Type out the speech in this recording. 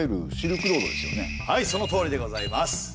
はいそのとおりでございます。